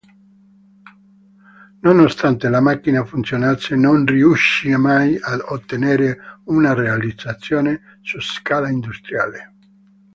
Nonostante la macchina funzionasse, non riuscì mai ad ottenere una realizzazione su scala industriale.